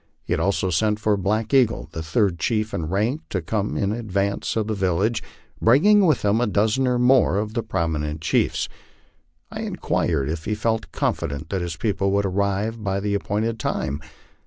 He had also sent for Black Eagle, the third chief in rank, to come in advance of the village, bring ing with him a dozen or more of the prominent chiefs. I inquired if he felt confident that his people would arrive by the appointed time?